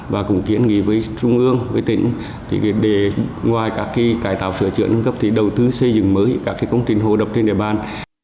và cũng kiến nghị với trung ương với tỉnh để ngoài các cải tạo sửa chữa nâng cấp thì đầu tư xây dựng mới các công trình hồ đập trên địa bàn